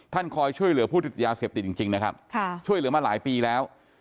คอยช่วยเหลือผู้ติดยาเสพติดจริงนะครับช่วยเหลือมาหลายปีแล้ว